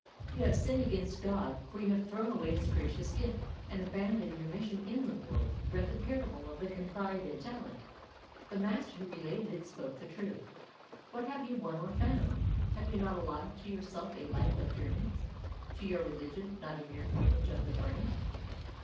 You have sinned against God, for you have thrown away His gracious gift, and abandoned your mission in the world. Read the parable of the confided talent. The Master who related it spoke the truth. What have you won or found? Have you not allotted to yourself a life of dreams? To your religion not a mere coinage of the brain?